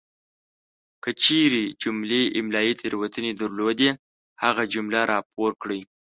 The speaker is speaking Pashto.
کچیري جملې املائي تیروتنې درلودې هغه جمله راپور کړئ!